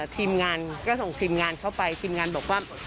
ทีมงานก็ส่งทีมงานเข้าไปทีมงานบอกว่า